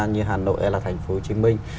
như hà nội hay là thành phố hồ chí minh